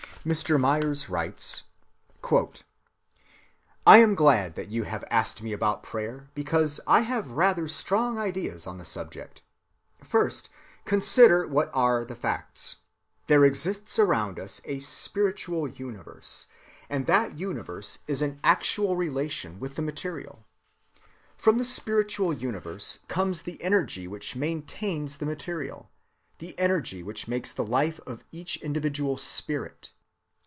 Mr. Myers writes:— "I am glad that you have asked me about prayer, because I have rather strong ideas on the subject. First consider what are the facts. There exists around us a spiritual universe, and that universe is in actual relation with the material. From the spiritual universe comes the energy which maintains the material; the energy which makes the life of each individual spirit.